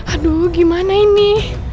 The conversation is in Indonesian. aduh gimana ini